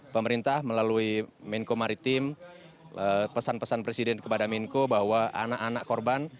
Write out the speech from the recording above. pemerintah melalui menko maritim pesan pesan presiden kepada menko bahwa anak anak korban